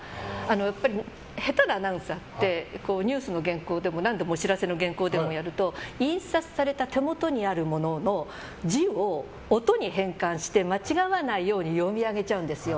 やっぱり下手なアナウンサーってニュースの原稿でもお知らせの原稿でもやると印刷された手元にある文字を音に変換して間違わないように読み上げちゃうんですよ。